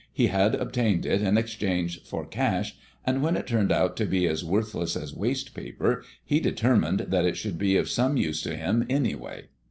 He had obtained it in exchange for cash; and when it turned out to be as worthless as waste paper, he determined that it should be of some use to him anyway.